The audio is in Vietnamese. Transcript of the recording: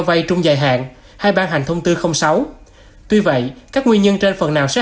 vay trung dài hạn hay ban hành thông tư sáu tuy vậy các nguyên nhân trên phần nào sẽ